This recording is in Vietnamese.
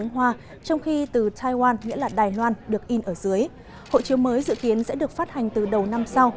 hoa trong khi từ taiwan được in ở dưới hộ chiếu mới dự kiến sẽ được phát hành từ đầu năm sau